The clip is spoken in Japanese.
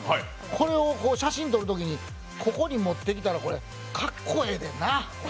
これを写真撮るときにここに持ってきたらかっこええねんな。